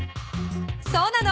そうなの。